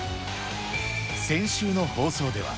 先週の放送では。